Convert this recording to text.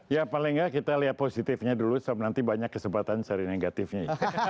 ya paling nggak kita lihat positifnya dulu nanti banyak kesempatan cari negatifnya